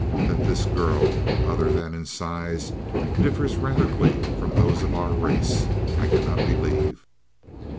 That this girl, other than in size, differs radically from those of our race, I cannot believe.